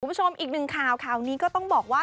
คุณผู้ชมอีกหนึ่งข่าวข่าวนี้ก็ต้องบอกว่า